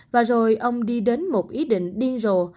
và rồi ông đi đến một ý định điên rồ